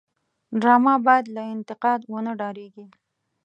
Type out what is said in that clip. ډرامه باید له انتقاد ونه وډاريږي